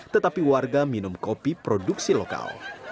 tetapi warga minum kopi produksi lokal